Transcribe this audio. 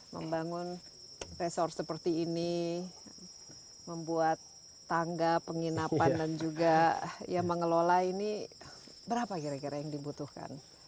membangun resort seperti ini membuat tangga penginapan dan juga ya mengelola ini berapa kira kira yang dibutuhkan